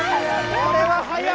これは速い！